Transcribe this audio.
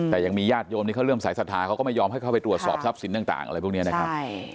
แต่ยังมีญาติโยมที่เขาเริ่มสายศรัทธาเขาก็ไม่ยอมให้เข้าไปตรวจสอบทรัพย์สินต่างอะไรพวกนี้นะครับ